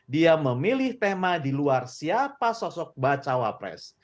dia memilih tema di luar siapa sosok baca wapres